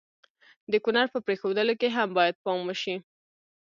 د کړنو په پرېښودلو کې هم باید پام وشي.